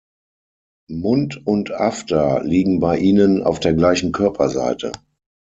Mund und After liegen bei ihnen auf der gleichen Körperseite.